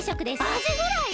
アジフライ！？